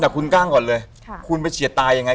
แต่คุณกล้างก่อนเลยคุณไปเฉียดตายยังไง